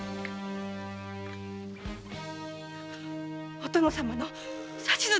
お殿様の指図だね